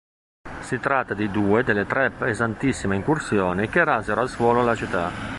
Si tratta di due delle tre pesantissime incursioni che rasero al suolo la città.